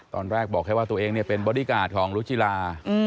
ตอนแรกบอกแค่ว่าตัวเองเนี่ยเป็นบอดี้การ์ดของรุจิลา